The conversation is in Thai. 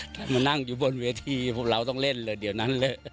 ให้มานั่งอยู่บนเวที่เราต้องเล่นเถียวนั้น